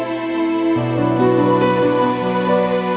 pak putri gak bakalan ketabrak